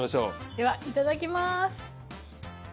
ではいただきます。